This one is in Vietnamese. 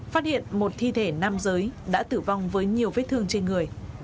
phát hiện một thi thể nam giới đã tử vong với nhiều vết thương trên người